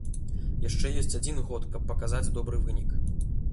Яшчэ ёсць адзін год, каб паказаць добры вынік.